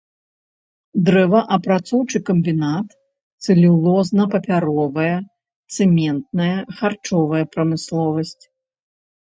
Дрэваапрацоўчы камбінат, цэлюлозна-папяровая, цэментная, харчовая прамысловасць.